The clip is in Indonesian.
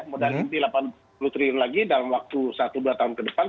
modal inti delapan puluh triliun lagi dalam waktu satu dua tahun ke depan